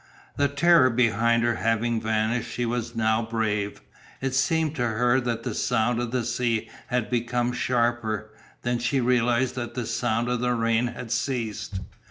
The terror behind her having vanished she was now brave. It seemed to her that the sound of the sea had become sharper; then she realized that the sound of the rain had ceased.